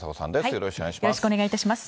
よろしくお願いします。